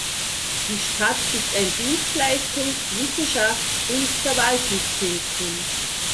Die Stadt ist ein Dienstleistungs-, Wissenschafts- und Verwaltungszentrum.